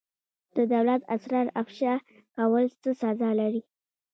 د دولت اسرار افشا کول څه سزا لري؟